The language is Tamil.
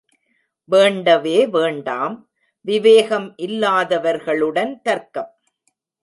வேண்டவே வேண்டாம் விவேகம் இல்லாதவர்களுடன் தர்க்கம்.